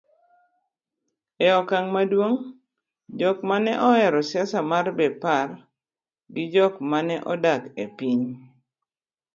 e okang' maduong' jok maneohero siasa mar Bepar gi jok maneodak e piny